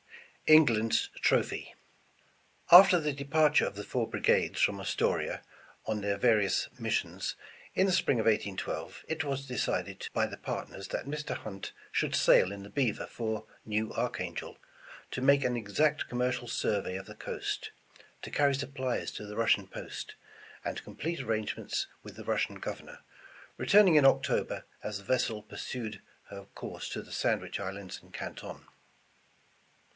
ENGLAND'S TROPHY. AFTER the departure of the four *' brigades" from Astoria, on their various missions, in the spring of 1812, it was decided by the partners that Mr. Hunt should sail in the Beaver for New Arch angel ''to make an exact commercial survey of the coast," to carry supplies to the Russian post, and com plete arrangements with the Russian Governor, return ing in October, as the vessel pursued her course to the Sandwich Islands and Canton.